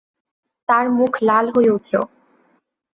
তার মুখ লাল হয়ে উঠল।